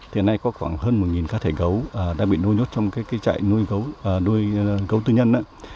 thì nay có khoảng hơn một cá thể gấu đang bị nuôi nhốt trong cái trại nuôi gấu tư nhân